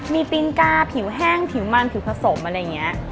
มีปิงกาผิวแห้งผิวมันผิวผสมอะไรอย่างนี้